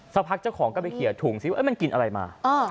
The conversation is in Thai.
สักพักเจ้าของก็ไปเขียนถุงซิว่ามันกินอะไรมา